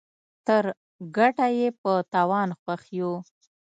تر ګټه ئې په تاوان خوښ يو.